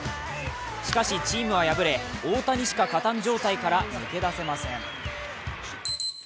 しかしチームは敗れ、大谷しか勝たん状態から抜け出せません。